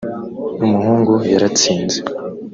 “Umuhungu yaratsinze